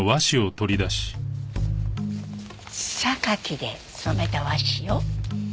榊で染めた和紙よ。